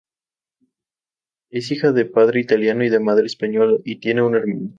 Es hija de padre italiano y de madre española, y tiene un hermano.